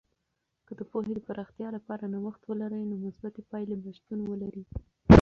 که د پوهې د پراختیا لپاره نوښت ولرئ، نو مثبتې پایلې به شتون ولري.